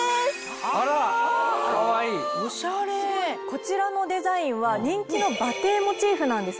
こちらのデザインは人気の馬蹄モチーフなんです。